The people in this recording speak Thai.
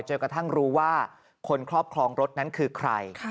จนกระทั่งรู้ว่าคนครอบครองรถนั้นคือใคร